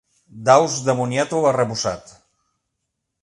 Daus de moniato arrebossat.